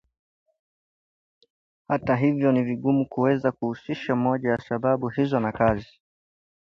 Hata hivyo, ni vigumu kuweza kuhusisha moja ya sababu hizo na kazi